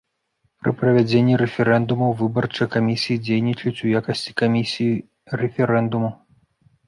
Пры правядзенні рэферэндумаў выбарчыя камісіі дзейнічаюць у якасці камісій рэферэндуму.